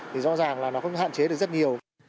thì rõ ràng là nó cũng hạn chế được rất nhiều